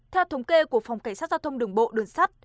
theo thống kê của phòng cảnh sát giao thông đường bộ đường sắt